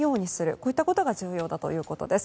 こういったことが重要だということです。